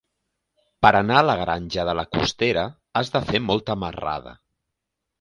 Per anar a la Granja de la Costera has de fer molta marrada.